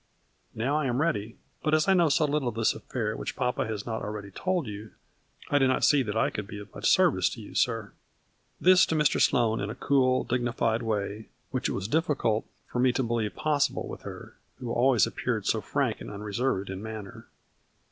"Now I am ready, but as I know 42 A FLURRY IN DIAMONDS. so little of this affair which papa has not al ready told you, I do not see that I can be of much service to you, sir." This to Mr. Sloane in a cool, dignified way which it was difficult for me to believe possible with her, who always appeared so frank and unreserved in manner.